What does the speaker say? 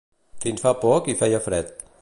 Fins fa poc hi feia fred.